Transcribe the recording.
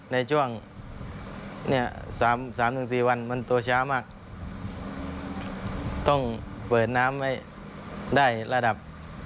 ในช่วง๓๔วันมันตัวช้ามากต้องเปิดน้ำไว้ได้ระดับ